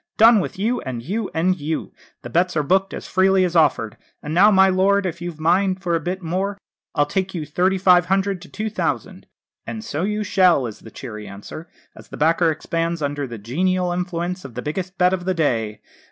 'Done with you, and you, and you' the bets are booked as freely as offered. 'And now, my lord, if you've a mind for a bit more, I'll take you thirty five hundred to two thousand.' 'And so you shall!' is the cheery answer, as the backer expands under the genial influence of the biggest bet of the day.